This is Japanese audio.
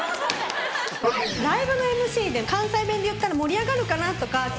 ライブのＭＣで関西弁で言ったら盛り上がるかなとか。